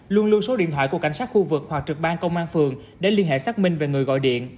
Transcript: luôn lưu số điện thoại của cảnh sát khu vực hoặc trực ban công an phường để liên hệ xác minh về người gọi điện